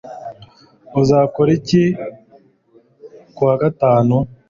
Uzakora iki kuwa gatanu